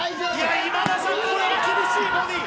今田さん厳しいボディー。